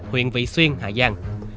huyện vị xuyên hà giang